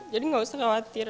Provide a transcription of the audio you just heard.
jadi gak usah khawatir